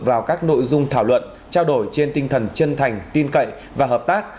vào các nội dung thảo luận trao đổi trên tinh thần chân thành tin cậy và hợp tác